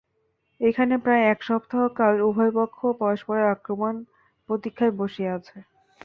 এইখানে প্রায় এক সপ্তাহকাল উভয় পক্ষ পরস্পরের আক্রমণপ্রতীক্ষায় বসিয়া আছে।